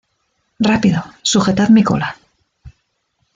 ¡ Rápido! ¡ sujetad mi cola!